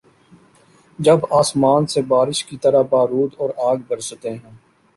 جب آسمان سے بارش کی طرح بارود اور آگ‘ برستے ہیں۔